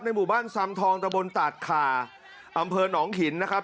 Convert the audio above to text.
หมู่บ้านซำทองตะบนตาดขาอำเภอหนองหินนะครับ